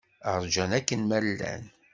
Ṛjan akken ma llan.